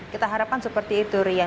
kita harapkan seperti itu rian